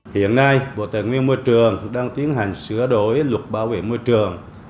hiện nay bộ tài nguyên môi trường đang tiến hành sửa đổi luật bảo vệ môi trường